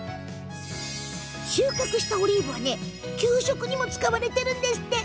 収穫したオリーブは給食にも使われているのよ。